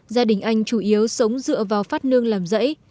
gia đình anh chủ yếu sống dựa vào phát nương làm rẫy